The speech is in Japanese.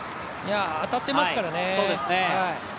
当たってますからね。